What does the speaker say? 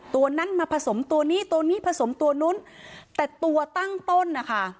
ตัวนั้นมาผสมตัวนี้ตัวนี้ผสมตัวนู้นแต่ตัวตั้งต้นนะคะ